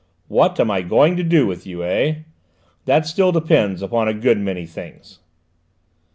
What am I going to do with you, eh? That still depends upon a good many things."